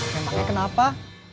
yang pake kenapa